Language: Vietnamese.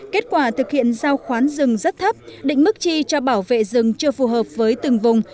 kết quả thực hiện giao khoán rừng rất thấp định mức chi cho bảo vệ rừng chưa phù hợp với từng vùng